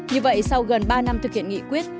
như vậy sau gần ba năm thực hiện nghị quyết